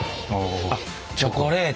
あっチョコレート。